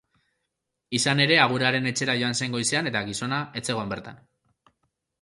Izan ere, agurearen etxera joan zen goizean eta gizona ez zegoen bertan.